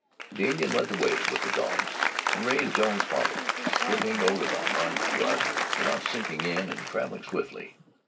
The Indian led the way with the dogs, and Rea and Jones followed, slipping over the hard crust without sinking in and traveling swiftly.